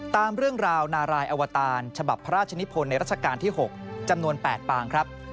ตามเรื่องราวนารายอวตารฉบับพระราชนิพลในรัชกาลที่๖จำนวน๘ปางครับ